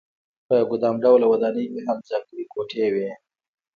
په ګدام ډوله ودانۍ کې هم ځانګړې کوټې وې.